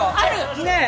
ねえ！